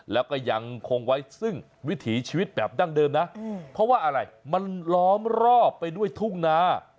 แล้วก็ยังคงไว้ซึ่งวิถีชีวิตแบบดั้งเดิมนะเพราะว่าอะไรมันล้อมรอบไปด้วยทุ่งนา